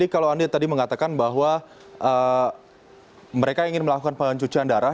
tuan andi tadi mengatakan bahwa mereka ingin melakukan pengcucian darah